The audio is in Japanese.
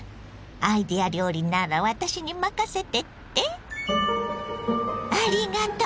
アイデア料理なら私に任せてって⁉ありがとう！